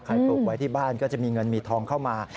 ปลูกไว้ที่บ้านก็จะมีเงินมีทองเข้ามา